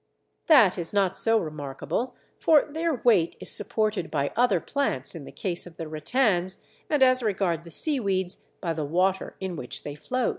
That is not so remarkable, for their weight is supported by other plants in the case of the rattans, and as regards the seaweeds, by the water in which they float.